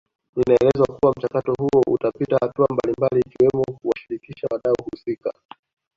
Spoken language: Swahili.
Inaelezwa kuwa mchakato huo utapitia hatua mbalimbali ikiwemo kuwashirikisha wadau husika